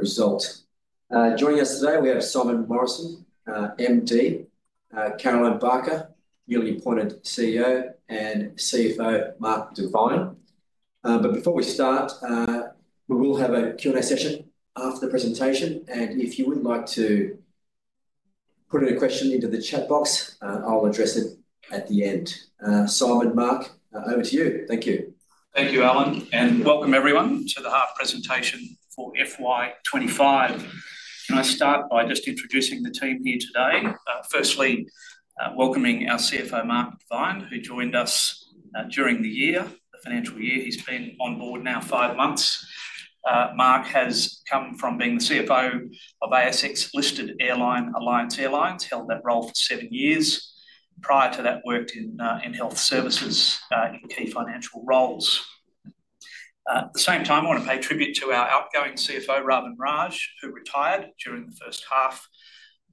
Result. Joining us today, we have Simon Morrison, MD, Carolyn Barker, newly appointed CEO, and CFO Mark Devine. Before we start, we will have a Q&A session after the presentation, and if you would like to put in a question into the chat box, I'll address it at the end. Simon, Mark, over to you. Thank you. Thank you, Alan, and welcome everyone to the Half Presentation for FY2025. Can I start by just introducing the team here today? Firstly, welcoming our CFO, Mark Devine, who joined us during the year, the financial year. He's been on board now five months. Mark has come from being the CFO of ASX-listed airline, Alliance Airlines, held that role for seven years. Prior to that, worked in health services in key financial roles. At the same time, I want to pay tribute to our outgoing CFO, Ravin Raj, who retired during the first half.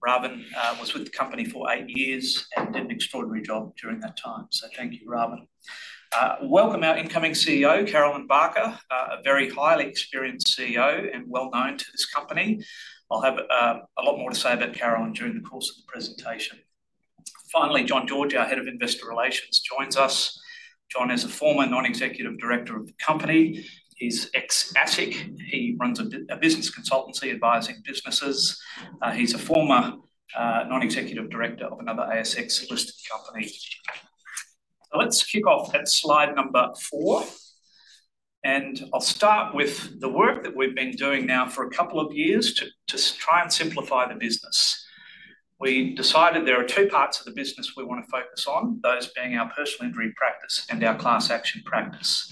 Ravin was with the company for eight years and did an extraordinary job during that time. Thank you, Ravin. Welcome our incoming CEO, Carolyn Barker, a very highly experienced CEO and well-known to this company. I'll have a lot more to say about Carolyn during the course of the presentation. Finally, John George, our Head of Investor Relations, joins us. John is a former non-executive director of the company. He's ex-ASIC. He runs a business consultancy advising businesses. He's a former non-executive director of another ASX-listed company. Let's kick off at slide number four. I'll start with the work that we've been doing now for a couple of years to try and simplify the business. We decided there are two parts of the business we want to focus on, those being our personal injury practice and our class action practice.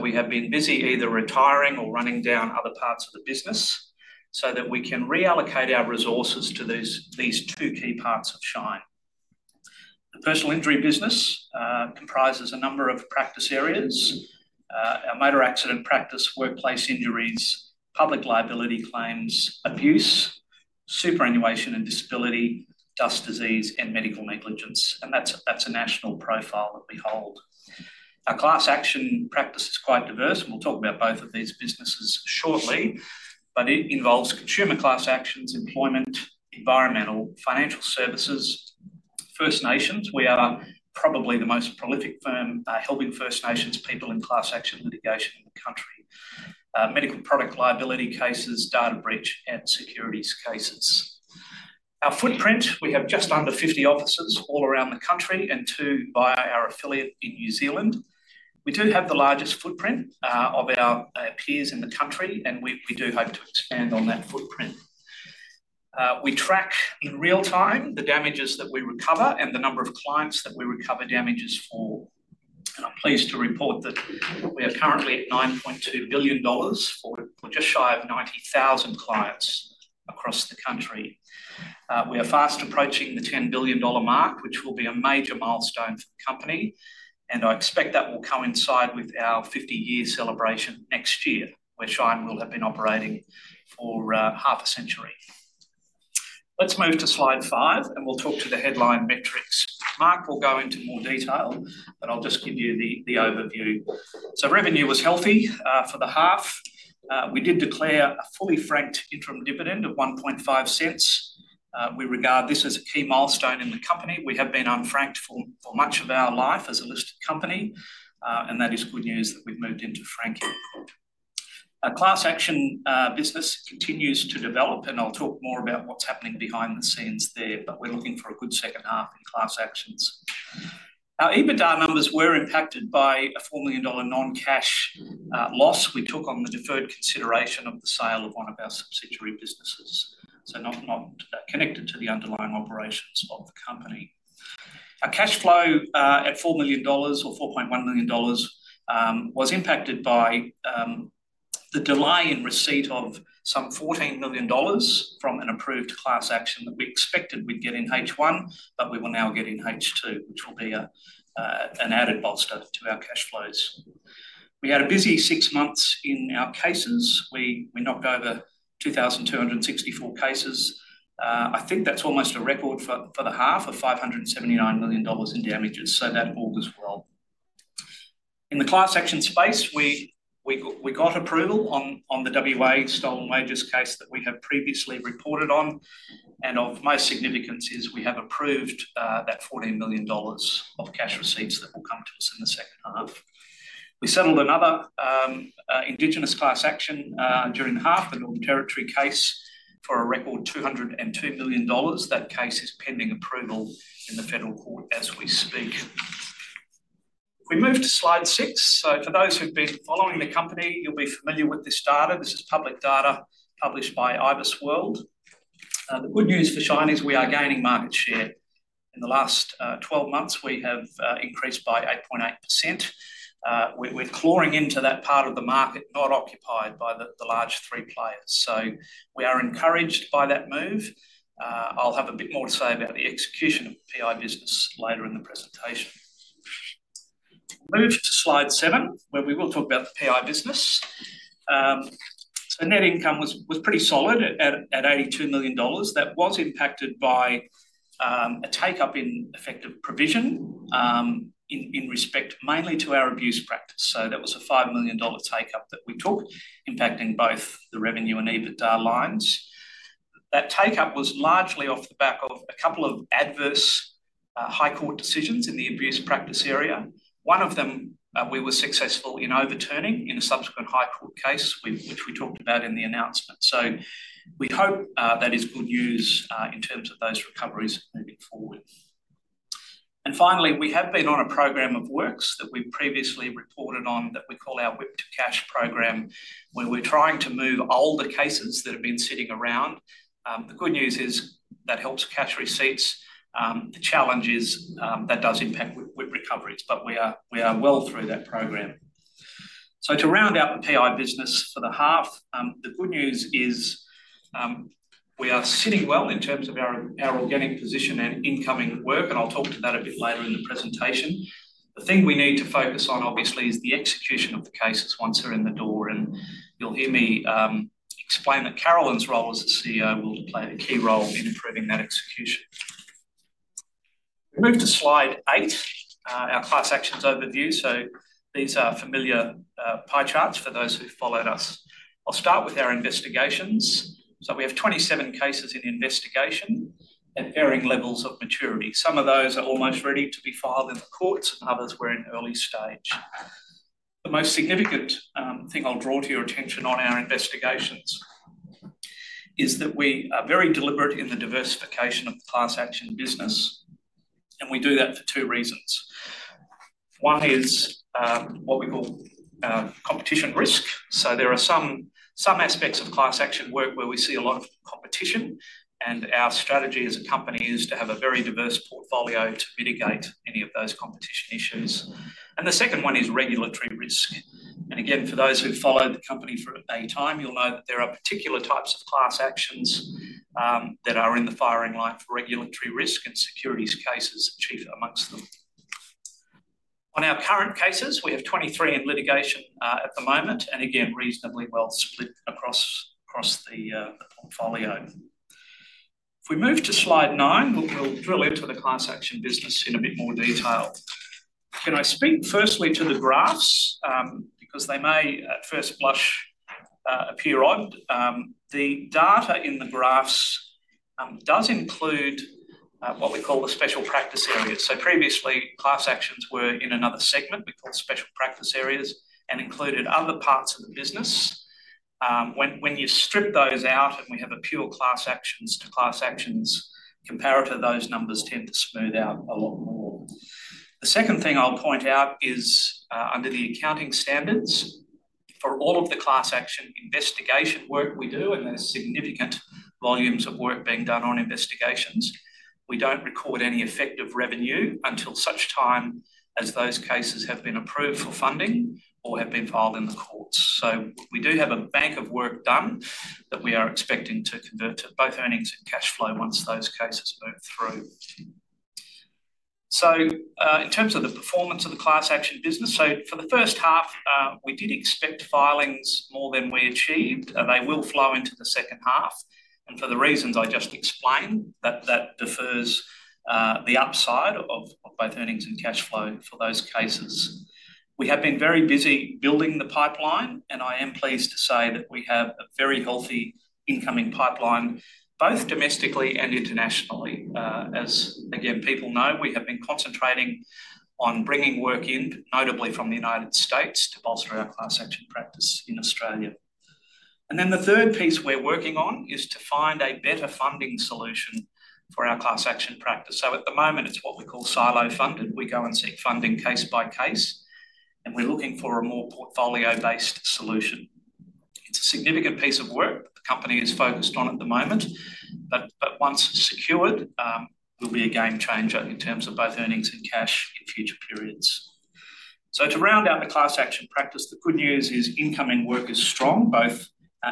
We have been busy either retiring or running down other parts of the business so that we can reallocate our resources to these two key parts of Shine. The personal injury business comprises a number of practice areas: motor accident practice, workplace injuries, public liability claims, abuse, superannuation and disability, dust disease, and medical negligence. That is a national profile that we hold. Our class action practice is quite diverse, and we will talk about both of these businesses shortly, but it involves consumer class actions, employment, environmental, financial services, First Nations. We are probably the most prolific firm helping First Nations people in class action litigation in the country, medical product liability cases, data breach, and securities cases. Our footprint, we have just under 50 offices all around the country and two via our affiliate in New Zealand. We do have the largest footprint of our peers in the country, and we do hope to expand on that footprint. We track in real time the damages that we recover and the number of clients that we recover damages for. I am pleased to report that we are currently at 9.2 billion dollars for just shy of 90,000 clients across the country. We are fast approaching the 10 billion dollar mark, which will be a major milestone for the company. I expect that will coincide with our 50-year celebration next year, where Shine will have been operating for half a century. Let's move to slide five, and we'll talk to the headline metrics. Mark will go into more detail, but I'll just give you the overview. Revenue was healthy for the half. We did declare a fully franked interim dividend of 0.015. We regard this as a key milestone in the company. We have been unfranked for much of our life as a listed company, and that is good news that we've moved into franking. Our class action business continues to develop, and I'll talk more about what's happening behind the scenes there, but we're looking for a good second half in class actions. Our EBITDA numbers were impacted by a $4 million non-cash loss we took on the deferred consideration of the sale of one of our subsidiary businesses, so not connected to the underlying operations of the company. Our cash flow at $4 million or $4.1 million was impacted by the delay in receipt of some $14 million from an approved class action that we expected we'd get in H1, but we will now get in H2, which will be an added bolster to our cash flows. We had a busy six months in our cases. We knocked over 2,264 cases. I think that's almost a record for the half of $579 million in damages, so that augurs well. In the class action space, we got approval on the WA Stolen Wages case that we have previously reported on. Of most significance is we have approved that 14 million dollars of cash receipts that will come to us in the second half. We settled another Indigenous class action during half, the Northern Territory case, for a record 202 million dollars. That case is pending approval in the Federal Court as we speak. We moved to slide six. For those who've been following the company, you'll be familiar with this data. This is public data published by IBISWorld. The good news for Shine is we are gaining market share. In the last 12 months, we have increased by 8.8%. We're clawing into that part of the market not occupied by the large three players. We are encouraged by that move. I'll have a bit more to say about the execution of PI business later in the presentation. We'll move to slide seven, where we will talk about the PI business. Net income was pretty solid at 82 million dollars. That was impacted by a take-up in effective provision in respect mainly to our abuse practice. That was a 5 million dollar take-up that we took, impacting both the revenue and EBITDA lines. That take-up was largely off the back of a couple of adverse High Court decisions in the abuse practice area. One of them we were successful in overturning in a subsequent High Court case, which we talked about in the announcement. We hope that is good news in terms of those recoveries moving forward. Finally, we have been on a program of works that we've previously reported on that we call our WIP to Cash program, where we're trying to move older cases that have been sitting around. The good news is that helps cash receipts. The challenge is that does impact WIP recoveries, but we are well through that program. To round out the PI business for the half, the good news is we are sitting well in terms of our organic position and incoming work, and I'll talk to that a bit later in the presentation. The thing we need to focus on, obviously, is the execution of the cases once they're in the door. You'll hear me explain that Carolyn's role as CEO will play a key role in improving that execution. We move to slide eight, our class actions overview. These are familiar pie charts for those who followed us. I'll start with our investigations. We have 27 cases in investigation at varying levels of maturity. Some of those are almost ready to be filed in the courts. Others were in early stage. The most significant thing I'll draw to your attention on our investigations is that we are very deliberate in the diversification of the class action business, and we do that for two reasons. One is what we call competition risk. There are some aspects of class action work where we see a lot of competition, and our strategy as a company is to have a very diverse portfolio to mitigate any of those competition issues. The second one is regulatory risk. For those who followed the company for a time, you'll know that there are particular types of class actions that are in the firing line for regulatory risk and securities cases, chief amongst them. On our current cases, we have 23 in litigation at the moment, and again, reasonably well split across the portfolio. If we move to slide nine, we'll drill into the class action business in a bit more detail. Can I speak firstly to the graphs? Because they may at first blush appear odd. The data in the graphs does include what we call the special practice areas. So previously, class actions were in another segment we called special practice areas and included other parts of the business. When you strip those out and we have a pure class actions to class actions comparator, those numbers tend to smooth out a lot more. The second thing I'll point out is under the accounting standards for all of the class action investigation work we do, and there's significant volumes of work being done on investigations. We don't record any effective revenue until such time as those cases have been approved for funding or have been filed in the courts. We do have a bank of work done that we are expecting to convert to both earnings and cash flow once those cases move through. In terms of the performance of the class action business, for the first half, we did expect filings more than we achieved. They will flow into the second half. For the reasons I just explained, that defers the upside of both earnings and cash flow for those cases. We have been very busy building the pipeline, and I am pleased to say that we have a very healthy incoming pipeline, both domestically and internationally. As people know, we have been concentrating on bringing work in, notably from the United States, to bolster our class action practice in Australia. The third piece we're working on is to find a better funding solution for our class action practice. At the moment, it's what we call silo funded. We go and seek funding case by case, and we're looking for a more portfolio-based solution. It's a significant piece of work the company is focused on at the moment, but once secured, it will be a game changer in terms of both earnings and cash in future periods. To round out the class action practice, the good news is incoming work is strong, both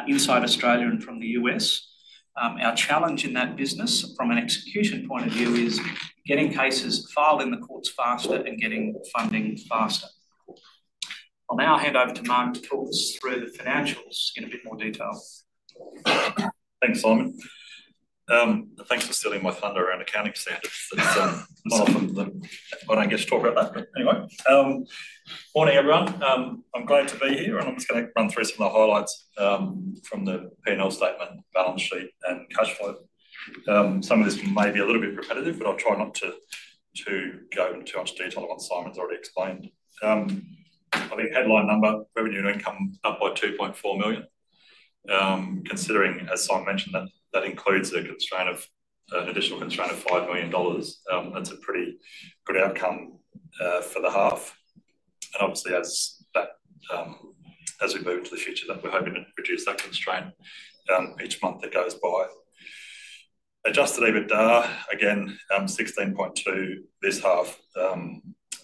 inside Australia and from the US. Our challenge in that business from an execution point of view is getting cases filed in the courts faster and getting funding faster. I'll now hand over to Mark to talk us through the financials in a bit more detail. Thanks, Simon. Thanks for stealing my thunder around accounting standards. It's not often that I get to talk about that, but anyway. Morning, everyone. I'm glad to be here, and I'm just going to run through some of the highlights from the P&L statement, balance sheet, and cash flow. Some of this may be a little bit repetitive, but I'll try not to go into much detail on what Simon's already explained. I think headline number, revenue and income up by 2.4 million. Considering, as Simon mentioned, that includes an additional constraint of 5 million dollars, that's a pretty good outcome for the half. Obviously, as we move into the future, we're hoping to reduce that constraint each month that goes by. Adjusted EBITDA, again, 16.2 million this half,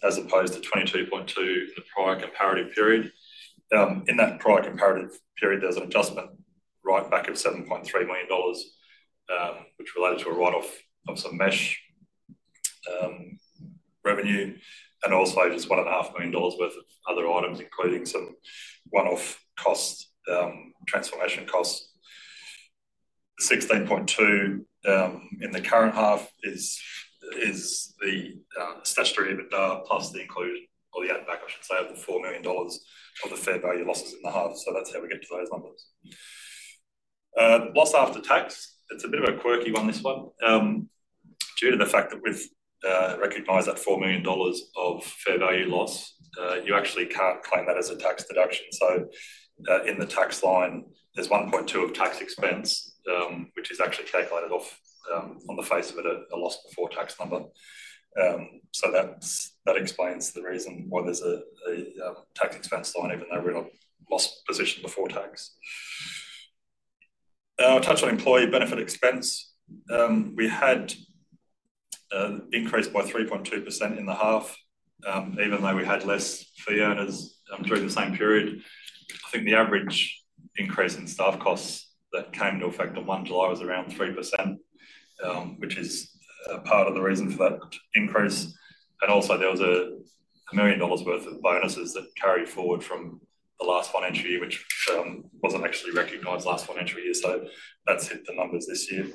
as opposed to 22.2 million in the prior comparative period. In that prior comparative period, there's an adjustment right back of 7.3 million dollars, which related to a write-off of some mesh revenue, and also just 1.5 million dollars worth of other items, including some one-off costs, transformation costs. $16.2 million in the current half is the statutory EBITDA plus the inclusion, or the add-back, I should say, of the $4 million of the fair value losses in the half. That is how we get to those numbers. Loss after tax, it is a bit of a quirky one, this one. Due to the fact that we have recognized that $4 million of fair value loss, you actually cannot claim that as a tax deduction. In the tax line, there is $1.2 million of tax expense, which is actually calculated off, on the face of it, a loss before tax number. That explains the reason why there is a tax expense line, even though we are in a loss position before tax. I will touch on employee benefit expense. We had an increase by 3.2% in the half, even though we had fewer fee earners during the same period. I think the average increase in staff costs that came into effect on 1 July was around 3%, which is part of the reason for that increase. There was also 1 million dollars worth of bonuses that carried forward from the last financial year, which was not actually recognized last financial year. That has hit the numbers this year.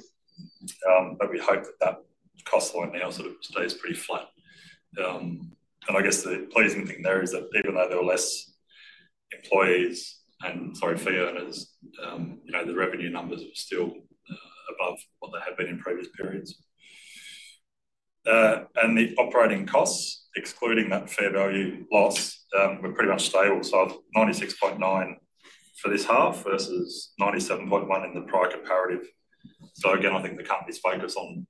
We hope that that cost line now sort of stays pretty flat. I guess the pleasing thing there is that even though there were fewer employees and, sorry, fee earners, the revenue numbers were still above what they had been in previous periods. The operating costs, excluding that fair value loss, were pretty much stable. 96.9 million for this half versus 97.1 million in the prior comparative. Again, I think the company's focus on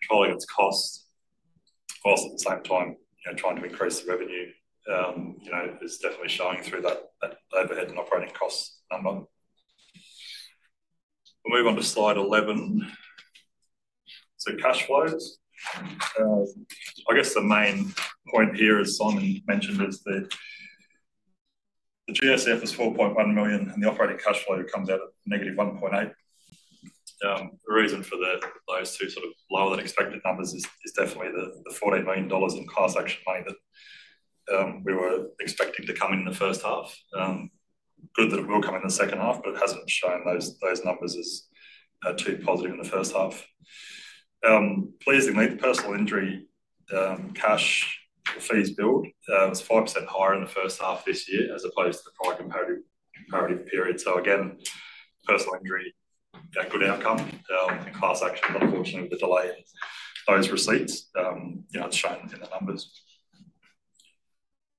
controlling its costs, whilst at the same time trying to increase the revenue, is definitely showing through that overhead and operating costs number. We'll move on to slide 11. Cash flows. I guess the main point here, as Simon mentioned, is that the GOCF is 4.1 million, and the operating cash flow comes out at negative 1.8 million. The reason for those two sort of lower than expected numbers is definitely the 14 million dollars in class action money that we were expecting to come in the first half. Good that it will come in the second half, but it hasn't shown those numbers as too positive in the first half. Pleasingly, the personal injury cash fees billed was 5% higher in the first half this year as opposed to the prior comparative period. Again, personal injury, a good outcome. In class action, unfortunately, with the delay in those receipts, it's shown in the numbers.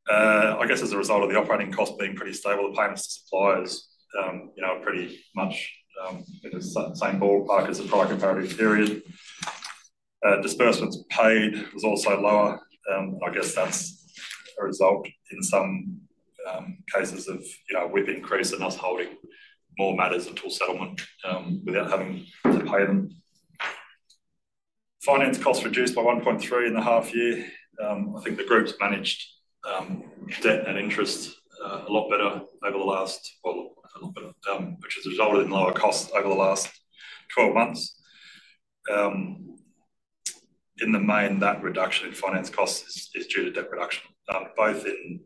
I guess as a result of the operating costs being pretty stable, the payments to suppliers are pretty much in the same ballpark as the prior comparative period. Disbursements paid was also lower. I guess that's a result in some cases of WIP increase and us holding more matters until settlement without having to pay them. Finance costs reduced by 1.3 million in the half year. I think the group's managed debt and interest a lot better over the last, well, a lot better, which is a result of lower costs over the last 12 months. In the main, that reduction in finance costs is due to debt reduction, both in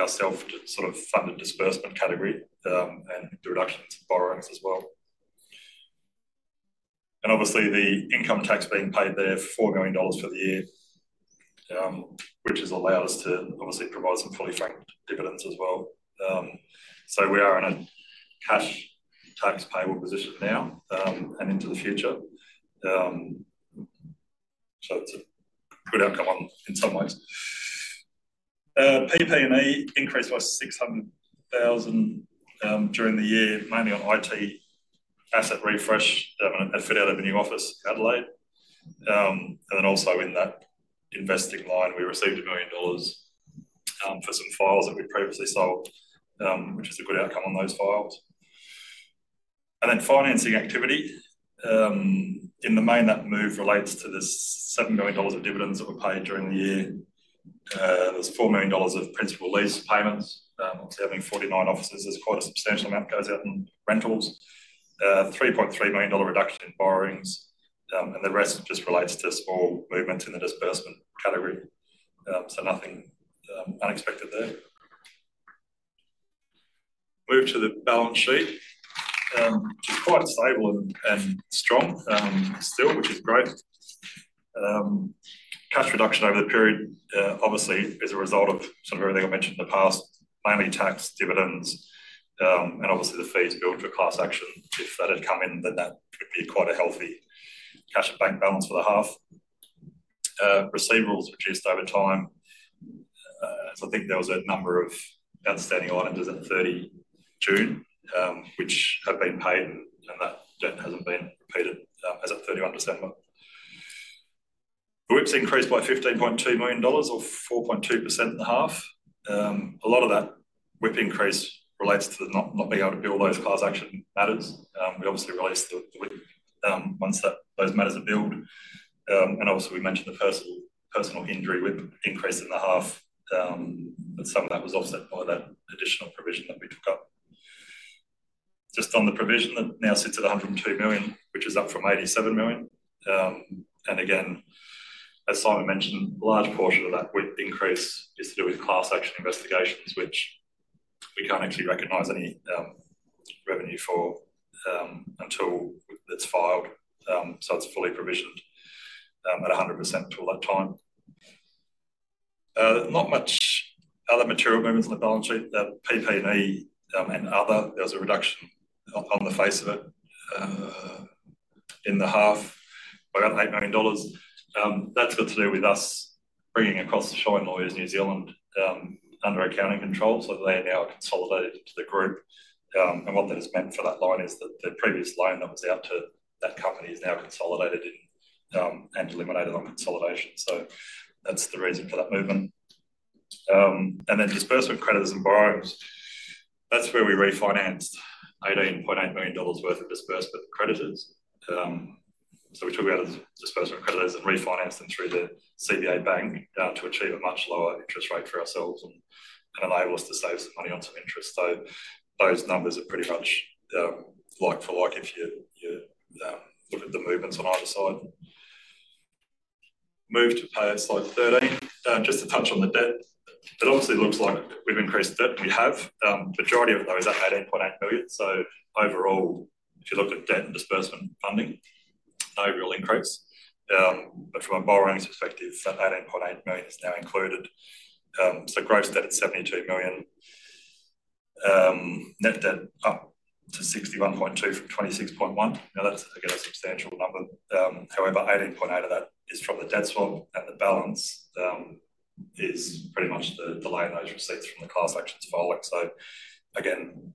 our self-sort of funded disbursement category and the reduction in borrowings as well. Obviously, the income tax being paid there for AUD 4 million for the year, which has allowed us to obviously provide some fully franked dividends as well. We are in a cash tax payable position now and into the future. It is a good outcome in some ways. PP&E increased by 600,000 during the year, mainly on IT asset refresh and a fit out of a new office in Adelaide. Also in that investing line, we received 1 million dollars for some files that we previously sold, which is a good outcome on those files. In financing activity, in the main, that move relates to the 7 million dollars of dividends that were paid during the year. There is 4 million dollars of principal lease payments. Obviously, having 49 offices is quite a substantial amount that goes out in rentals. 3.3 million dollar reduction in borrowings. The rest just relates to small movements in the disbursement category. Nothing unexpected there. Move to the balance sheet, which is quite stable and strong still, which is great. Cash reduction over the period, obviously, is a result of sort of everything I mentioned in the past, mainly tax, dividends, and obviously the fees billed for class action. If that had come in, then that would be quite a healthy cash and bank balance for the half. Receivables reduced over time. I think there was a number of outstanding items at 30 June, which have been paid, and that debt has not been repaid as of 31 December. The WIP has increased by 15.2 million dollars or 4.2% in the half. A lot of that WIP increase relates to not being able to bill those class action matters. We obviously release the WIP once those matters are billed. Obviously, we mentioned the personal injury WIP increased in the half, but some of that was offset by that additional provision that we took up. Just on the provision that now sits at 102 million, which is up from 87 million. Again, as Simon mentioned, a large portion of that WIP increase is to do with class action investigations, which we cannot actually recognize any revenue for until it is filed. It is fully provisioned at 100% until that time. Not much other material movements on the balance sheet. PP&E and other, there was a reduction on the face of it in the half by about 8 million dollars. That has to do with us bringing across Shine Lawyers New Zealand, under accounting control. They are now consolidated into the group. What that has meant for that line is that the previous line that was out to that company is now consolidated and eliminated on consolidation. That is the reason for that movement. Disbursement creditors and borrowers, that is where we refinanced 18.8 million dollars worth of disbursement creditors. We took out disbursement creditors and refinanced them through the Commonwealth Bank to achieve a much lower interest rate for ourselves and enable us to save some money on some interest. Those numbers are pretty much like for like if you look at the movements on either side. Move to pay slide 13. Just to touch on the debt. It obviously looks like we have increased debt. We have. The majority of those are 18.8 million. Overall, if you look at debt and disbursement funding, no real increase. From a borrowing perspective, that 18.8 million is now included. Gross debt at 72 million, net debt up to 61.2 million from 26.1 million. Now, that's again a substantial number. However, 18.8 million of that is from the debt swap, and the balance is pretty much the delay in those receipts from the class actions filing. Again,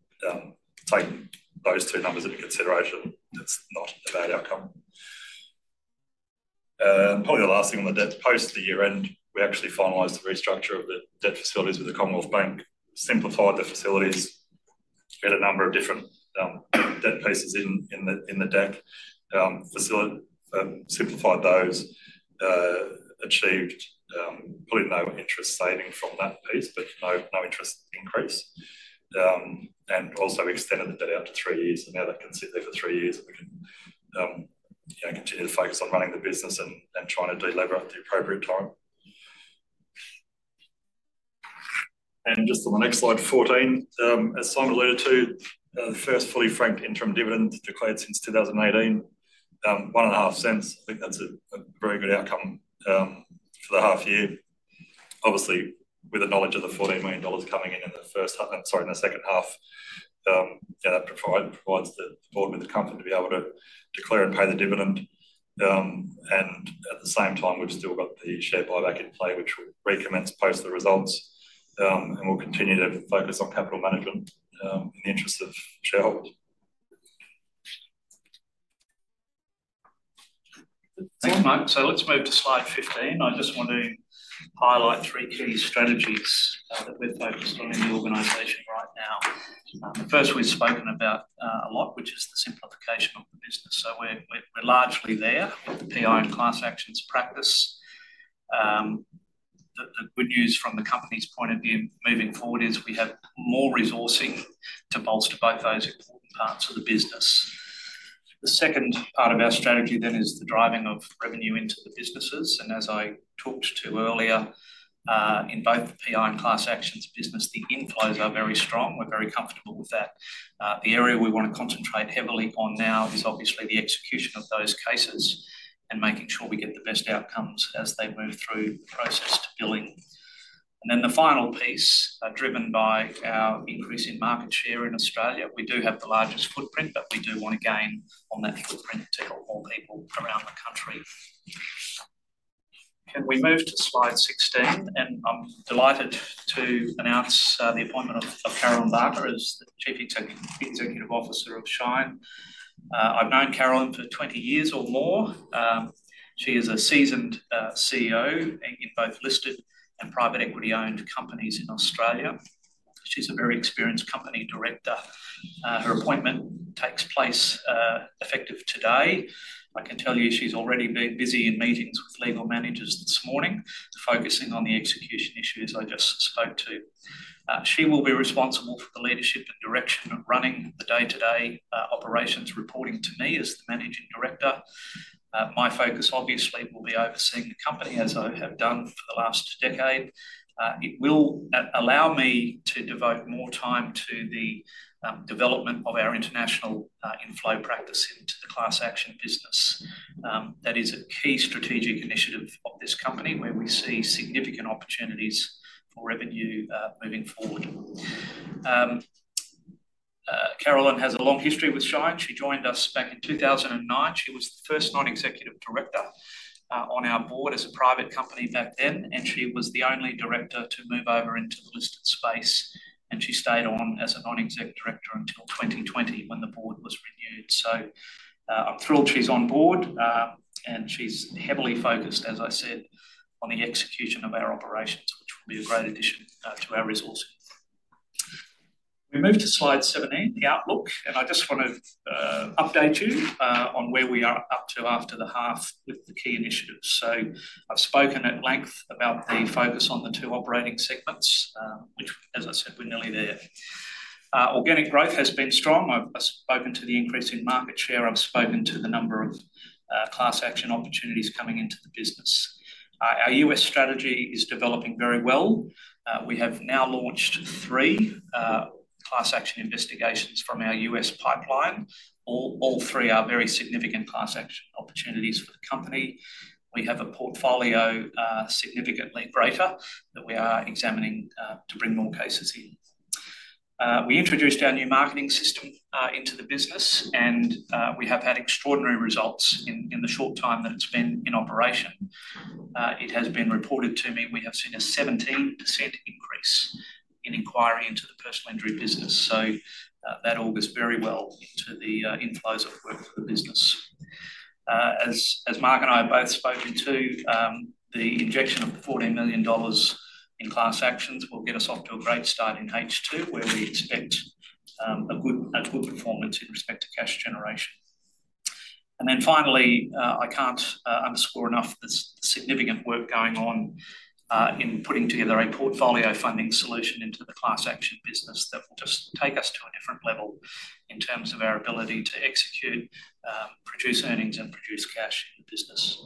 taking those two numbers into consideration, it's not a bad outcome. Probably the last thing on the debt post the year-end, we actually finalized the restructure of the debt facilities with the Commonwealth Bank, simplified the facilities, had a number of different debt pieces in the deck, simplified those, achieved probably no interest saving from that piece, but no interest increase, and also extended the debt out to three years. Now that can sit there for three years, and we can continue to focus on running the business and trying to deliberate the appropriate time. On the next slide, 14, as Simon alluded to, the first fully franked interim dividend declared since 2018, 0.01. I think that's a very good outcome for the half year. Obviously, with the knowledge of the 14 million dollars coming in in the first half, sorry, in the second half, that provides the board with the company to be able to declare and pay the dividend. At the same time, we've still got the share buyback in play, which will recommence post the results. We'll continue to focus on capital management in the interest of shareholders. Thanks, Mike. Let's move to slide 15. I just want to highlight three key strategies that we're focused on in the organization right now. The first we've spoken about a lot, which is the simplification of the business. We're largely there with PI and class actions practice. The good news from the company's point of view moving forward is we have more resourcing to bolster both those important parts of the business. The second part of our strategy is the driving of revenue into the businesses. As I talked to earlier, in both the PI and class actions business, the inflows are very strong. We're very comfortable with that. The area we want to concentrate heavily on now is obviously the execution of those cases and making sure we get the best outcomes as they move through the process to billing. The final piece, driven by our increase in market share in Australia, is that we do have the largest footprint, but we do want to gain on that footprint to help more people around the country. Can we move to slide 16? I am delighted to announce the appointment of Carolyn Barker as the Chief Executive Officer of Shine. I have known Carolyn for 20 years or more. She is a seasoned CEO in both listed and private equity-owned companies in Australia. She is a very experienced company director. Her appointment takes place effective today. I can tell you she is already busy in meetings with legal managers this morning, focusing on the execution issues I just spoke to. She will be responsible for the leadership and direction of running the day-to-day operations, reporting to me as the Managing Director. My focus, obviously, will be overseeing the company as I have done for the last decade. It will allow me to devote more time to the development of our international inflow practice into the class action business. That is a key strategic initiative of this company where we see significant opportunities for revenue moving forward. Carolyn has a long history with Shine. She joined us back in 2009. She was the first non-executive director on our board as a private company back then, and she was the only director to move over into the listed space. She stayed on as a non-executive director until 2020 when the board was renewed. I am thrilled she is on board, and she is heavily focused, as I said, on the execution of our operations, which will be a great addition to our resourcing. We move to slide 17, the outlook. I just want to update you on where we are up to after the half with the key initiatives. I have spoken at length about the focus on the two operating segments, which, as I said, we are nearly there. Organic growth has been strong. I have spoken to the increase in market share. I have spoken to the number of class action opportunities coming into the business. Our US strategy is developing very well. We have now launched three class action investigations from our US pipeline. All three are very significant class action opportunities for the company. We have a portfolio significantly greater that we are examining to bring more cases in. We introduced our new marketing system into the business, and we have had extraordinary results in the short time that it has been in operation. It has been reported to me we have seen a 17% increase in inquiry into the personal injury business. That all goes very well into the inflows of work for the business. As Mark and I have both spoken to, the injection of 14 million dollars in class actions will get us off to a great start in H2, where we expect a good performance in respect to cash generation. I cannot underscore enough the significant work going on in putting together a portfolio funding solution into the class action business that will just take us to a different level in terms of our ability to execute, produce earnings, and produce cash in the business.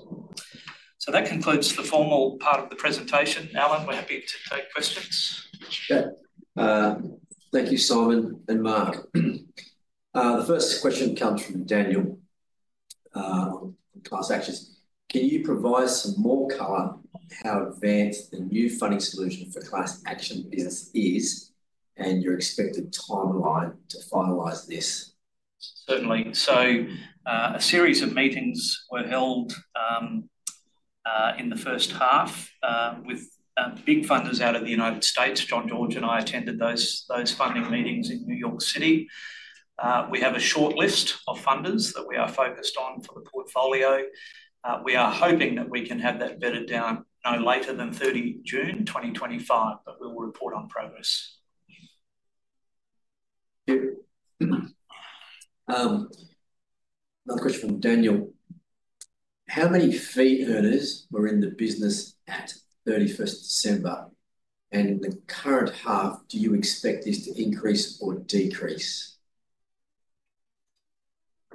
That concludes the formal part of the presentation. Alan, we're happy to take questions. Sure. Thank you, Simon and Mark. The first question comes from Daniel on class actions. Can you provide some more color on how advanced the new funding solution for class action business is and your expected timeline to finalize this? Certainly. A series of meetings were held in the first half with big funders out of the United States. John George and I attended those funding meetings in New York City. We have a short list of funders that we are focused on for the portfolio. We are hoping that we can have that bedded down no later than 30 June 2025, but we will report on progress. Thank you. Another question from Daniel. How many fee earners were in the business at 31st December? In the current half, do you expect this to increase or decrease?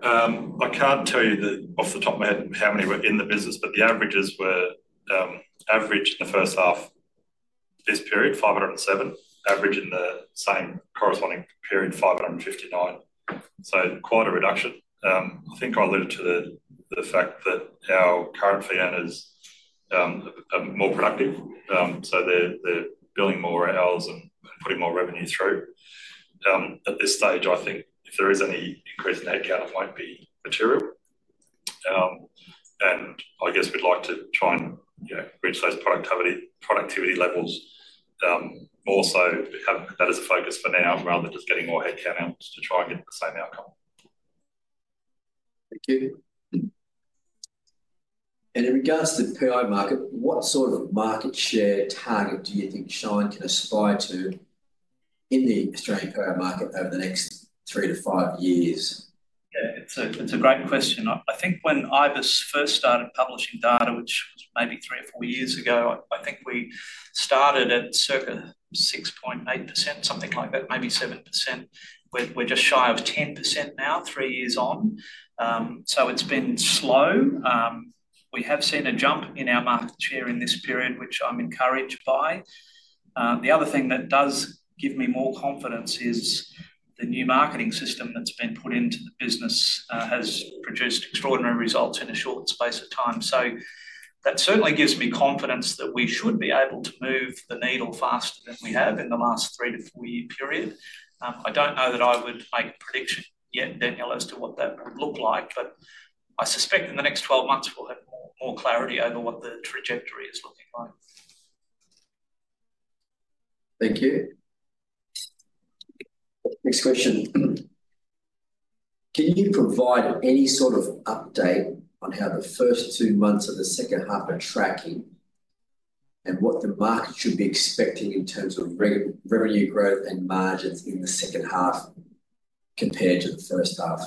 I can't tell you off the top of my head how many were in the business, but the averages were average in the first half of this period, 507. Average in the same corresponding period, 559. Quite a reduction. I think I alluded to the fact that our current fee earners are more productive. They're billing more hours and putting more revenue through. At this stage, I think if there is any increase in headcount, it might be material. I guess we'd like to try and reach those productivity levels. Also, that is a focus for now rather than just getting more headcount out to try and get the same outcome. Thank you. In regards to the PI market, what sort of market share target do you think Shine can aspire to in the Australian PI market over the next three to five years? Yeah, it's a great question. I think when IBISWorld first started publishing data, which was maybe three or four years ago, I think we started at circa 6.8%, something like that, maybe 7%. We're just shy of 10% now, three years on. It has been slow. We have seen a jump in our market share in this period, which I'm encouraged by. The other thing that does give me more confidence is the new marketing system that's been put into the business has produced extraordinary results in a short space of time. That certainly gives me confidence that we should be able to move the needle faster than we have in the last three to four year period. I don't know that I would make a prediction yet, Daniel, as to what that would look like, but I suspect in the next 12 months, we'll have more clarity over what the trajectory is looking like. Thank you. Next question. Can you provide any sort of update on how the first two months of the second half are tracking and what the market should be expecting in terms of revenue growth and margins in the second half compared to the first half?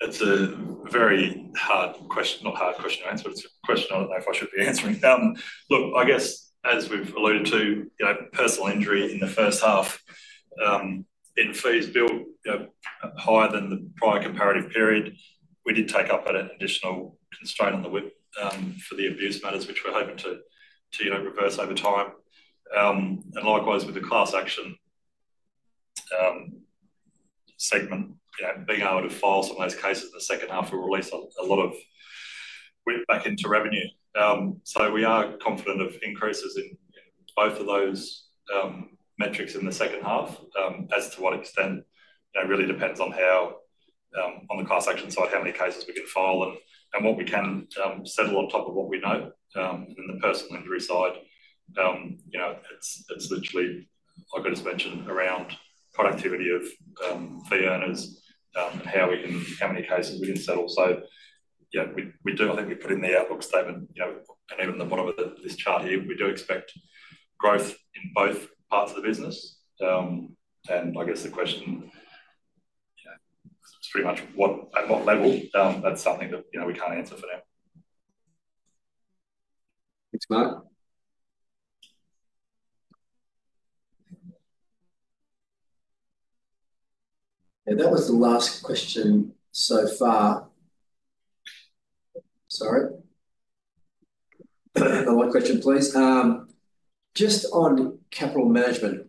It's a very hard question, not hard question to answer, but it's a question I don't know if I should be answering. Look, I guess, as we've alluded to, personal injury in the first half, in fees billed higher than the prior comparative period, we did take up an additional constraint on the WIP for the abuse matters, which we're hoping to reverse over time. Likewise, with the class action segment, being able to file some of those cases in the second half will release a lot of WIP back into revenue. We are confident of increases in both of those metrics in the second half. As to what extent, it really depends on how on the class action side, how many cases we can file and what we can settle on top of what we know. The personal injury side, it's literally, like I just mentioned, around productivity of fee earners and how many cases we can settle. We do, I think we put in the outlook statement, and even at the bottom of this chart here, we do expect growth in both parts of the business. I guess the question is pretty much at what level. That's something that we can't answer for now. Thanks, Mark. That was the last question so far. Sorry. What question, please? Just on capital management,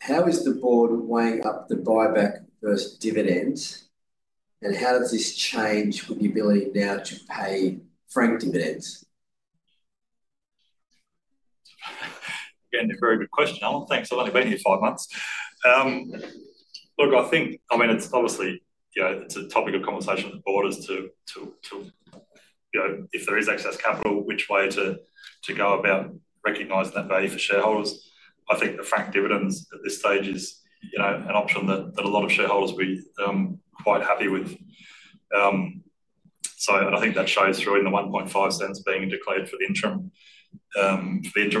how is the board weighing up the buyback versus dividends? How does this change with the ability now to pay franked dividends? Again, very good question, Alan. Thanks for letting me be here five months. Look, I think, I mean, it's obviously a topic of conversation with the board as to if there is excess capital, which way to go about recognizing that value for shareholders. I think the frank dividends at this stage is an option that a lot of shareholders will be quite happy with. I think that shows through in the 0.015 being declared for the interim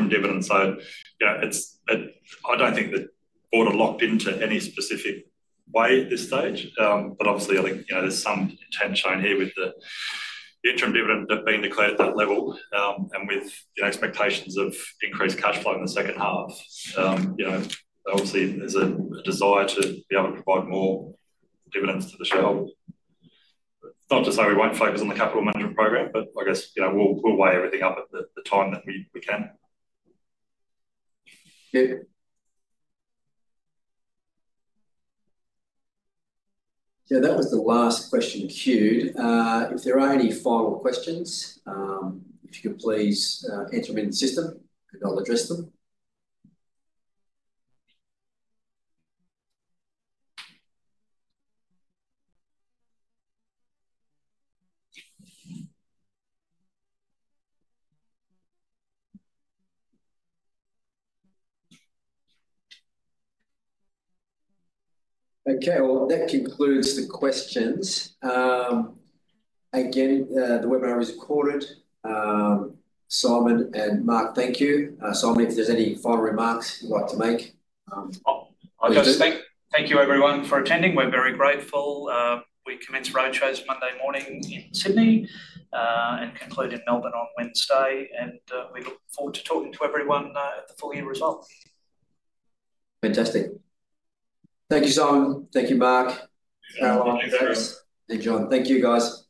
dividend. I do not think the board are locked into any specific way at this stage, but obviously, I think there's some intent shown here with the interim dividend being declared at that level and with the expectations of increased cash flow in the second half. Obviously, there's a desire to be able to provide more dividends to the shareholders. Not to say we won't focus on the capital management program, but I guess we'll weigh everything up at the time that we can. Yeah. Yeah, that was the last question queued. If there are any final questions, if you could please enter them in the system, and I'll address them. Okay. That concludes the questions. Again, the webinar is recorded. Simon and Mark, thank you. Simon, if there's any final remarks you'd like to make. I guess thank you, everyone, for attending. We're very grateful. We commence roadshows Monday morning in Sydney and conclude in Melbourne on Wednesday. We look forward to talking to everyone at the full year result. Fantastic. Thank you, Simon. Thank you, Mark. Thank you. Thank you, John. Thank you, guys.